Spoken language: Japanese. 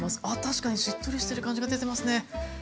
あっ確かにしっとりしてる感じが出てますね。